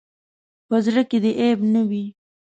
په زړۀ کې دې عیب نه وي.